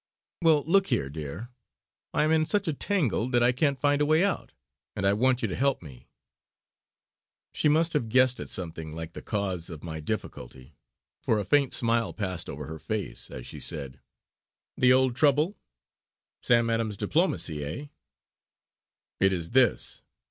"Well, look here, dear, I am in such a tangle that I can't find a way out, and I want you to help me." She must have guessed at something like the cause of my difficulty, for a faint smile passed over her face as she said: "The old trouble? Sam Adams's diplomacy, eh?" "It is this.